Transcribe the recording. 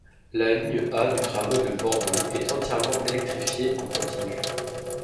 La ligne A du tramway de Bordeaux est entièrement électrifiée en continu.